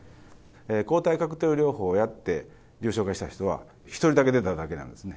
抗体カクテル療法やって重症化した人は、１人だけ出ただけなんですね。